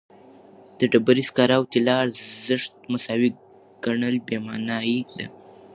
د ډبرې سکاره او طلا ارزښت مساوي ګڼل بېمعنایي ده.